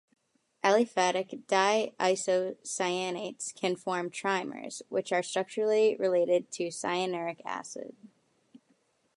Aliphatic di-isocyanates can form trimers, which are structurally related to cyanuric acid.